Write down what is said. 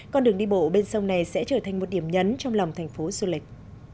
con đường đi bộ bên sông này sẽ trở thành một điểm nhấn trong lòng thành phố du lịch